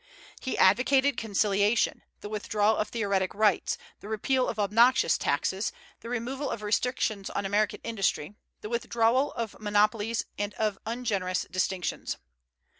He advocated conciliation, the withdrawal of theoretic rights, the repeal of obnoxious taxes, the removal of restrictions on American industry, the withdrawal of monopolies and of ungenerous distinctions.